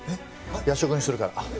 夜食にするから。